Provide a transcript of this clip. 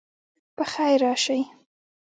په خیر راسئ.